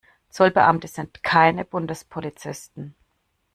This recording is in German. Zollbeamte sind keine Bundespolizisten.